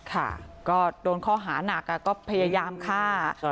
ค่ะก็โดนข้อหานักก็พยายามฆ่า